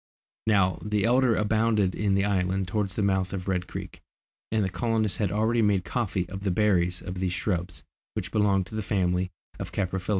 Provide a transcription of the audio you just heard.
Now, the elder abounded in the island towards the mouth of Red Creek, and the colonists had already made coffee of the berries of these shrubs, which belong to the family of the caprifoliaceæ.